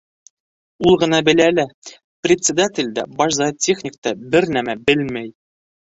Ул ғына белә лә, председатель дә, баш зоотехник та бер нәмә белмәй!